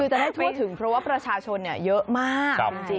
จะได้ทั่วถึงเพราะว่าประชาชนเยอะมากจริง